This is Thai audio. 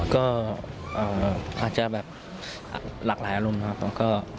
ก็อาจจะแบบหลากหลายอารมณ์ครับ